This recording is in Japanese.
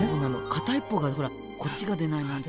片一方がほらこっちが出ないなんて。